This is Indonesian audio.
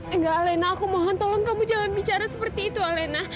enggak alena aku mohon tolong kamu jangan bicara seperti itu alena